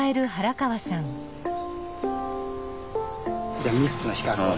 じゃあ３つの比較を。